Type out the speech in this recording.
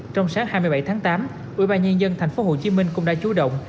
trong sáng hai mươi bảy tháng tám ủy ban nhân dân tp hcm cũng đã chú động